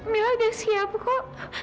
mila udah siap kok